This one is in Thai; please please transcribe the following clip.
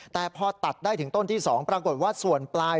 แต่พอตัดได้ถึงต้นที่๒ปรากฏว่าส่วนปลาย